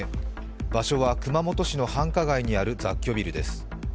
場所は、熊本市の繁華街にある雑居ビルです。